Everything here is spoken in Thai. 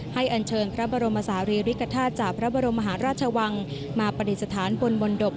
อันเชิญพระบรมศาลีริกฐาตุจากพระบรมมหาราชวังมาปฏิสถานบนบนดบ